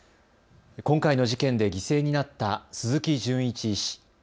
今回の事件で犠牲になった鈴木純一医師。